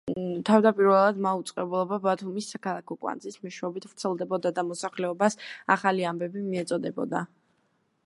თავდაპირველად, მაუწყებლობა ბათუმის საქალაქო კვანძის მეშვეობით ვრცელდებოდა და მოსახლეობას ახალი ამბები მიეწოდებოდა.